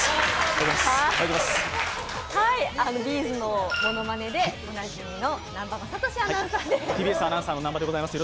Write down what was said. ’ｚのものまねでおなじみの南波雅俊アナウンサーです。